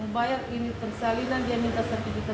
membayar ini tersalinan dia minta satu juta seratus